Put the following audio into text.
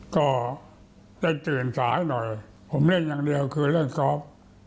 ก็ได้ตื่นสายหน่อยผมเล่นอย่างเดียวคือเล่นกรอบ